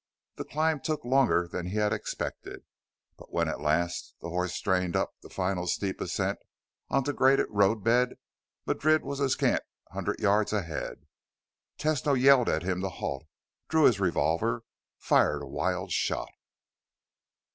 The climb took longer than he had expected. But when at last the horse strained up the final steep ascent onto graded roadbed, Madrid was a scant hundred yards ahead. Tesno yelled at him to halt, drew his revolver, fired a wild shot.